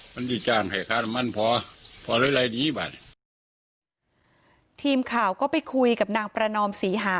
มันดิจานไขคารมันพอพอเรื่อยรายดีบันทีมข่าวก็ไปคุยกับนางประนอมศรีหา